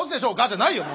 じゃないよ。